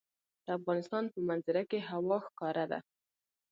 د افغانستان په منظره کې هوا ښکاره ده.